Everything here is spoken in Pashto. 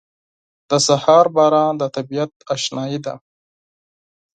• د سهار باران د طبیعت اشنايي ده.